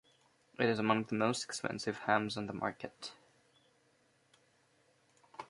It is among the most expensive hams on the market.